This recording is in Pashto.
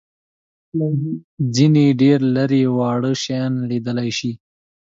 ځینې ډېر لېري واړه شیان لیدلای شي.